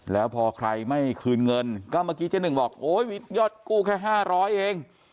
แล้วพอใครไม่คืนเงินก็เมื่อกี้เจ๊หนึ่งบอกโอ้ยมียอดกู้แค่๕๐๐เอง